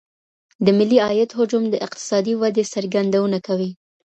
د ملي عايد حجم د اقتصادي ودي څرګندونه کوي.